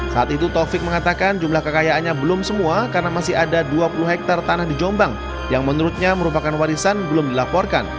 saat itu taufik mengatakan jumlah kekayaannya belum semua karena masih ada dua puluh hektare tanah di jombang yang menurutnya merupakan warisan belum dilaporkan